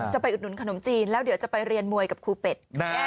อุดหนุนขนมจีนแล้วเดี๋ยวจะไปเรียนมวยกับครูเป็ด